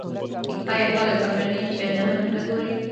آیا خلک بهرني چینلونه نه ګوري؟